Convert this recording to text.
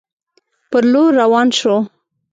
پر لور روان شو.